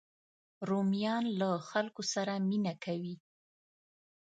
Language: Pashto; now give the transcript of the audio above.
رومیان له خلکو سره مینه کوي